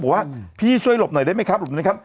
บอกว่าพี่ช่วยหลบหน่อยได้ไหมครับหลบนะครับ